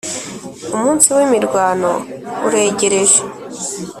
umunsi w’imirwano uregereje